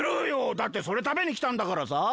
だってそれたべにきたんだからさ。